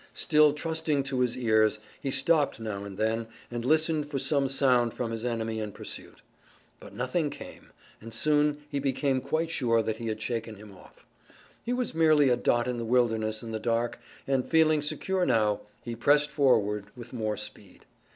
Still trusting to his ears he stopped now and then, and listened for some sound from his enemy in pursuit. But nothing came, and soon he became quite sure that he had shaken him off. He was merely a dot in the wilderness in the dark, and, feeling secure now, he pressed forward with more speed.